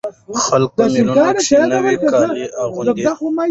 خلک په مېلو کښي نوي کالي اغوندي.